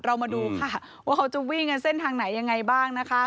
เรามาดูค่ะว่าเขาจะวิ่งกันเส้นทางไหนยังไงบ้างนะคะ